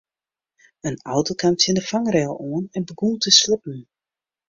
In auto kaam tsjin de fangrail oan en begûn te slippen.